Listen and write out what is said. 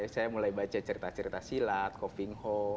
saya mulai baca cerita cerita silat kofingho